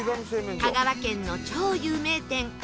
香川県の超有名店